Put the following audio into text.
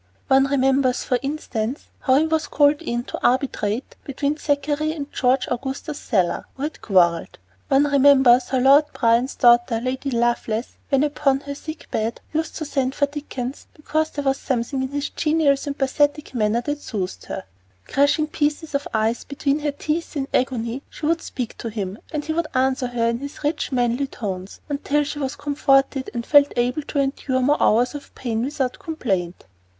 One remembers, for instance, how he was called in to arbitrate between Thackeray and George Augustus Sala, who had quarreled. One remembers how Lord Byron's daughter, Lady Lovelace, when upon her sick bed, used to send for Dickens because there was something in his genial, sympathetic manner that soothed her. Crushing pieces of ice between her teeth in agony, she would speak to him and he would answer her in his rich, manly tones until she was comforted and felt able to endure more hours of pain without complaint.